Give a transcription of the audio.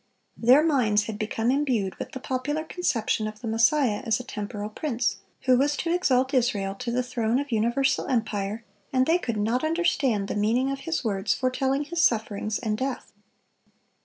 Their minds had become imbued with the popular conception of the Messiah as a temporal prince, who was to exalt Israel to the throne of universal empire, and they could not understand the meaning of His words foretelling His sufferings and death.